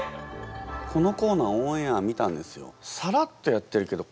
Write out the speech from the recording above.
このコーナーオンエア見たんですよ。